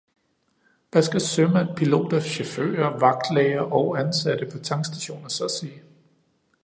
Hvad skal sømænd, piloter, chauffører, vagtlæger og ansatte på tankstationer så sige?